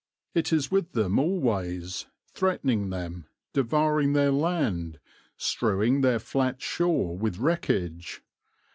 It is with them always, threatening them, devouring their land, strewing their flat shore with wreckage.